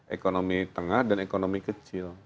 ekonomi tengah dan ekonomi kecil